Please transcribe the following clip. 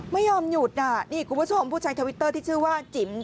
ไม่ยอมหยุดน่ะนี่คุณผู้ชมผู้ใช้ทวิตเตอร์ที่ชื่อว่าจิ๋ม